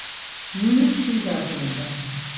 ნუნე შინ დაბრუნდა.